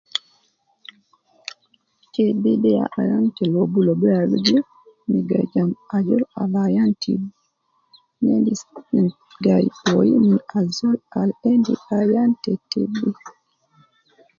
TB de ya ayan te lobu lobu al gija, me gai jamb ajol ab ayan TB,ne endis te gai boyi min azol al endi ayan te TB